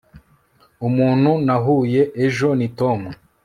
umuntu nahuye ejo ni tom